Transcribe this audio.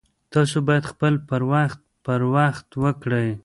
تاسو باید خپل پر وخت په وخت وکړئ